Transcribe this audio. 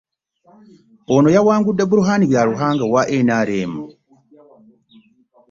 Ono yawangudde Bruhan Byaruhanga owa NRM